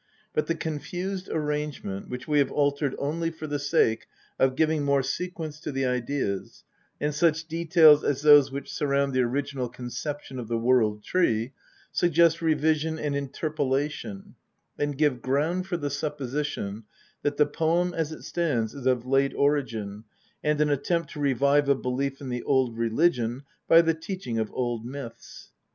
But the confused arrangement, which we have altered only for the sake of giving more sequence to the ideas, and such details as those which surround the original conception of the World Tree, suggest revision and interpolation, and give ground for the supposition that the poem as it stands is of late origin, and an attempt to revive a belief in the old religion by the teaching of old myths.